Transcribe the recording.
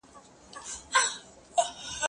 زه اوس د کتابتون پاکوالی کوم!.